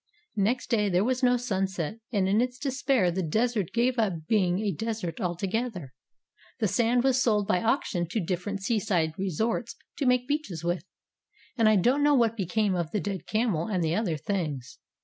Next day there was no sunset, and in its despair the Desert gave up being a desert altogether. The sand was sold by auction to different seaside resorts to make beaches with. And I don't know what became of the dead camel and the other things.